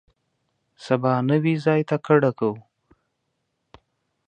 سبا نوي ځای ته کډه کوو.